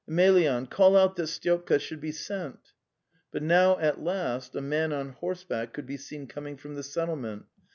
Emelyan, call out that Styopka should be sent." But now at last a man on horseback could be seen coming from the settlement.